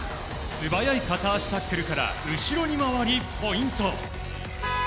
素早い片足タックルから後ろに回りポイント。